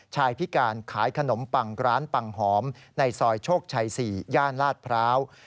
พิการขายขนมปังร้านปังหอมในซอยโชคชัย๔ย่านลาดพร้าว